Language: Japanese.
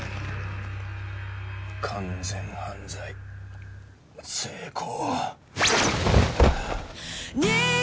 完全犯罪成功。